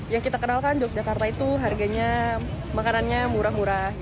yang kita kenalkan jogjakarta itu harganya makanannya murah murah